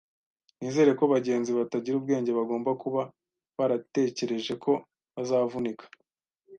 Nizera ko bagenzi batagira ubwenge bagomba kuba baratekereje ko bazavunika